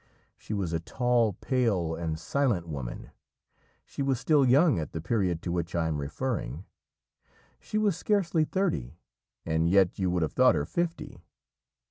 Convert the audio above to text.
She was a tall, pale, and silent woman. She was still young at the period to which I am referring. She was scarcely thirty, and yet you would have thought her fifty.